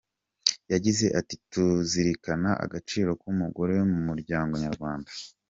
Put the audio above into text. Yagize ati “Tuzirikana agaciro k’umugore mu muryango nyarwanda.